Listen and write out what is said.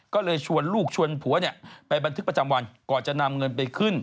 ก็เลยชวนลูกชวนผัวเนี่ยไปบันทึกประจำวันก่อนจะนำเงินไปขึ้น